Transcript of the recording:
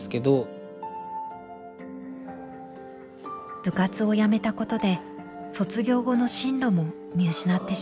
部活をやめたことで卒業後の進路も見失ってしまいました。